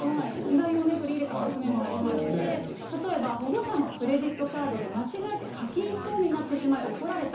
時代を取り入れたます目もありまして、例えば、保護者のクレジットカードで間違えて課金しそうになってしまい怒られた。